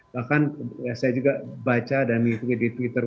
bahkan saya juga baca dan mengikuti di twitter